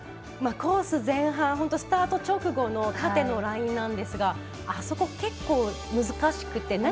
コース前半、スタート直後縦のラインなんですがあそこ、結構難しくて。